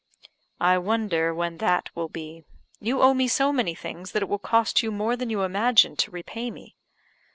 "I wonder when that will be. You owe me so many things that it will cost you more than you imagine to repay me."